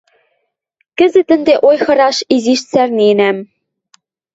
Кӹзӹт ӹнде ойхыраш изиш цӓрненӓм.